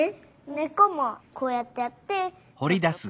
ねっこもこうやってやってとっとく。